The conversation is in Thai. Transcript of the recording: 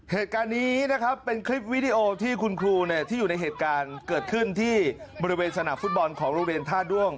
เหตุการณ์นี้นะครับเป็นคลิปวิดีโอที่คุณครูที่อยู่ในเหตุการณ์เกิดขึ้นที่บริเวณสนามฟุตบอลของโรงเรียนท่าด้วง